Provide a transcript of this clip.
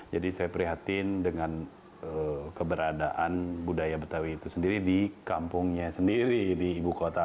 jadi saya prihatin dengan keberadaan budaya betawi itu sendiri di kampungnya sendiri di ibu kota